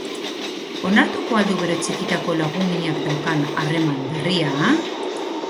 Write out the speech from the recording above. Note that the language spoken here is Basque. Onartuko al du bere txikitako lagun-minak daukan harreman berria?